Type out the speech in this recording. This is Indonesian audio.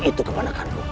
itu kepada aku